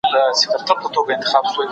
زه اوږده وخت لوښي وچوم وم